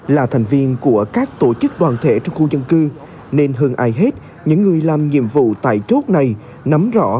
là thành viên của các tổ chức đoàn thể trong khu dân cư nên hơn ai hết những người làm nhiệm vụ tại chốt này nắm rõ